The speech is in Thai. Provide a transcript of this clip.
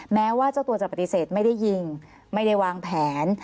แม้ว่าเจ้าตัวจะปฏิเสธไม่ได้ยิงไม่ได้วางแผน